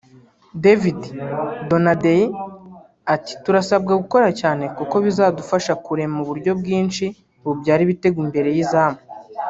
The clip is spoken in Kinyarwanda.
David Donadei ati "Turasabwa gukora cyane kuko bizadufasha kurema uburyo bwinshi bubyara ibitego imbere y’izamu